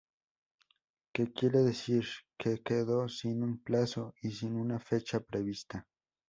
Que quiere decir que quedó sin un plazo, y sin una fecha prevista.